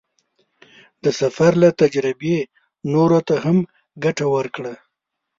د سفر له تجربې نورو ته هم ګټه ورکړه.